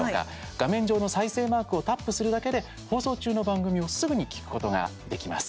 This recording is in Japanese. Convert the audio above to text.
画面上の再生マークをタップするだけで放送中の番組をすぐに聞くことができます。